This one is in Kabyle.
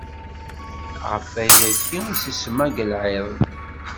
Ɣef wayagi i s-isemma Galɛid.